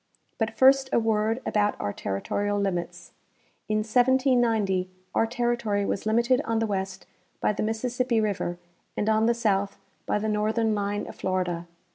But first a word about our territorial limits. In 1790 our terri tory was limited on the west by the Mississippi river and on the south by the northern line of Florida.